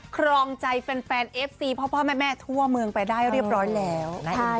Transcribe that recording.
ครองใจแฟนเอฟซีพ่อแม่ทั่วเมืองไปได้เรียบร้อยแล้วนะคะ